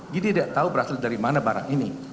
jadi tidak tahu berasal dari mana barang ini